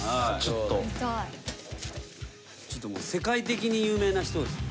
ちょっと世界的に有名な人ですよね